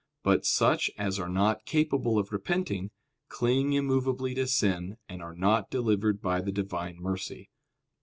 But such as are not capable of repenting, cling immovably to sin, and are not delivered by the Divine mercy.